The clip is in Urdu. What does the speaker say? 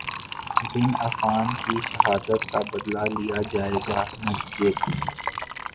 بن عفان کی شہادت کا بدلہ لیا جائے گا مسجد